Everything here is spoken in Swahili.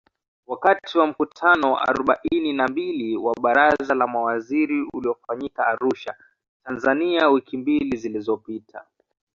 Wakati wa mkutano wa arubaini na mbili wa Baraza la Mawaziri uliofanyika Arusha, Tanzania wiki mbili zilizopita